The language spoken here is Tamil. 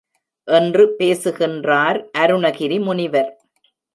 என்று பேசுகின்றார் அருணகிரி முனிவர்.